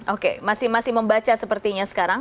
oke masih masih membaca sepertinya sekarang